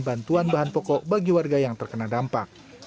bantuan bahan pokok bagi warga yang terkena dampak